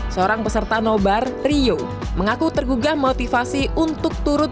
seorang peserta nobar rio mengaku tergugah motivasi untuk turut